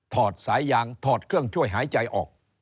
อดสายยางถอดเครื่องช่วยหายใจออก